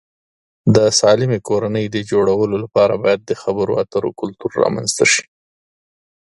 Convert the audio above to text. د سالمې کورنۍ د جوړولو لپاره باید د خبرو اترو کلتور رامنځته شي.